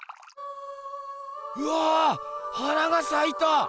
うわ花がさいた！